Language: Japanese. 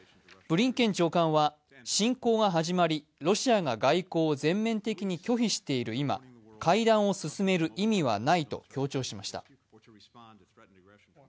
ブリンケン長官は侵攻が始まり、ロシアが外交を全面的に拒否している今、会談を進める意味はないと強調しました。